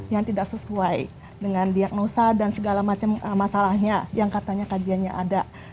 yang tidak sesuai dengan diagnosa dan segala macam masalahnya yang katanya kajiannya ada